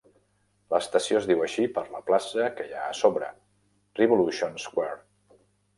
L'estació es diu així per la plaça que hi ha a sobre, Revolution Square.